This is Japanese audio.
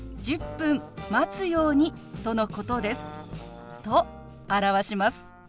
１０分待つようにとのことです」と表します。